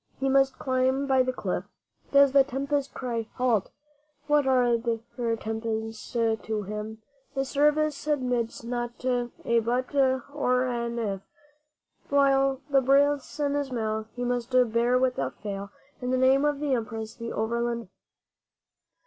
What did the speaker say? He must climb by the cliff. Does the tempest cry 'halt'? What are tempests to him? The service admits not a 'but' or an 'if.' While the breath's in his mouth, he must bear without fail, In the Name of the Empress, the Overland Mail.